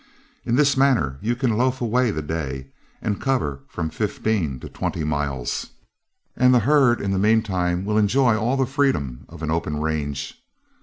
In this manner you can loaf away the day, and cover from fifteen to twenty miles, and the herd in the mean time will enjoy all the freedom of an open range.